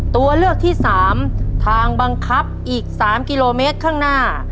ตัวเลือกที่๓ทางบังคับอีก๓กิโลเมตรข้างหน้า